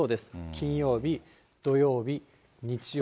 金曜日、土曜日、日曜日。